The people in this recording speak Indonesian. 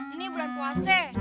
ini bulan puase